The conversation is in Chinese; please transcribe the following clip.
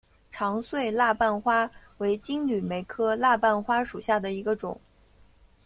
长穗蜡瓣花为金缕梅科蜡瓣花属下的一个种。